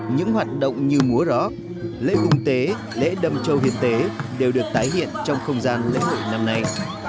những hoạt động như múa rót lễ khung tế lễ đâm châu huyền tế đều được tái hiện trong không gian lễ hội năm nay